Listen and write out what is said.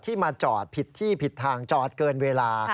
มาจอดผิดที่ผิดทางจอดเกินเวลา